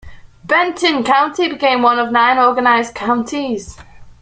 Benton County became one of nine organized counties.